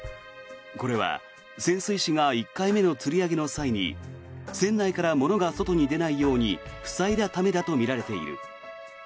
これは潜水士が１回目のつり上げの際に船内から物が外に出ないように塞いだためだとみられている。